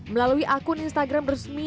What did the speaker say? melalui akun instagram resmi